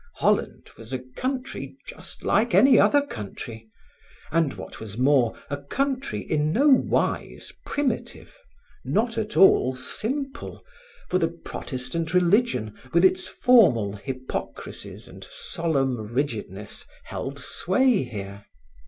Holland was a country just like any other country, and what was more, a country in no wise primitive, not at all simple, for the Protestant religion with its formal hypocricies and solemn rigidness held sway here.